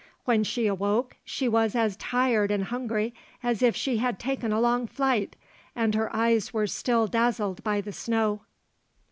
When she awoke she was as tired and hungry as if she had taken a long flight, and her eyes were still dazzled by the snow.